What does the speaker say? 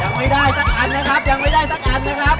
ยังไม่ได้สักอันนะครับยังไม่ได้สักอันนะครับ